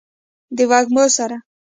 د وږمو سره